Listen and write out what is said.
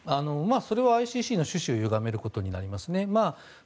それはＩＣＣの趣旨をゆがめることになりますね。